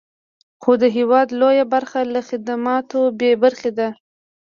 خو د هېواد لویه برخه له خدماتو بې برخې ده.